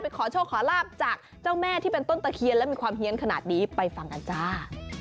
ขอโชคขอลาบจากเจ้าแม่ที่เป็นต้นตะเคียนและมีความเฮียนขนาดนี้ไปฟังกันจ้า